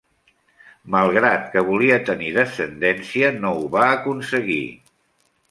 A pesar que volia tenir descendència, no ho va aconseguir.